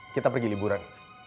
kita pergi liburan